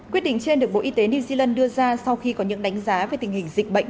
quyết định trên được bộ y tế new zealand đưa ra sau khi có những đánh giá về tình hình dịch bệnh